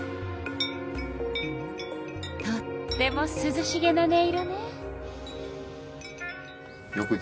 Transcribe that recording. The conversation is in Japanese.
とってもすずしげな音色ね。